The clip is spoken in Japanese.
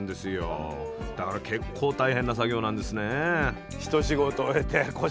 だから結構大変な作業なんですね。